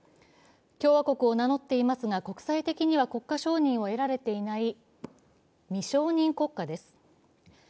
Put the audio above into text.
共和国を名乗っていますが、国際的には国家承認を得られていない未承認国家です。